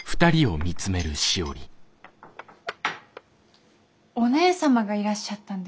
お姉様がいらっしゃったんですね。